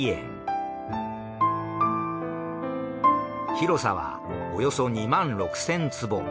広さはおよそ２万６千坪。